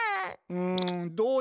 うん。